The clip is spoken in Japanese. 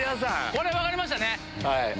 これ分かりましたね？